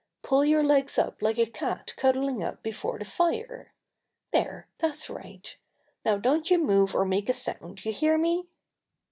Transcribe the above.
Pull your legs up like a cat cuddling up before the fire. There, that's right. Now don't you move or make a sound. You hear me?"